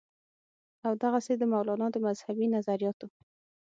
او دغسې د مولانا د مذهبي نظرياتو